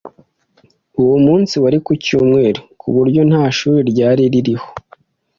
Uwo munsi wari ku cyumweru, ku buryo nta shuri ryariho.